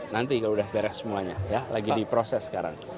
nanti kalau sudah beres semuanya lagi di proses sekarang